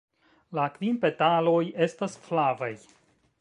La kvin petaloj estas flavaj.